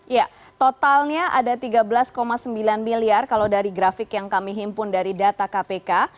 ya totalnya ada tiga belas sembilan miliar kalau dari grafik yang kami himpun dari data kpk